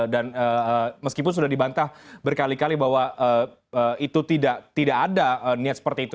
dan meskipun sudah dibantah berkali kali bahwa itu tidak ada niat seperti itu